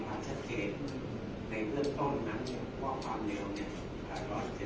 คือในครั้งแรกพี่แชฟนานสอบส่วนสอบส่วนและก็ถูกดูแต่เคศเนี่ย